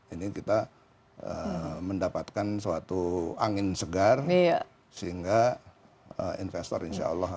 ini kita mendapatkan suatu angin segar sehingga investor insya allah